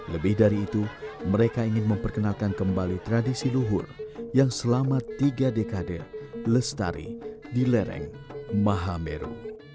lebih dari itu mereka ingin memperkenalkan kembali tradisi luhur yang selama tiga dekade lestari di lereng mahameru